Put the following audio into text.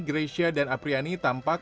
gratia dan apriyani tampak